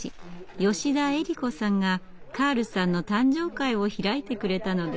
吉田えり子さんがカールさんの誕生会を開いてくれたのです。